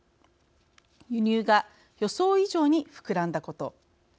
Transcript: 輸入が予想以上に膨らんだこと。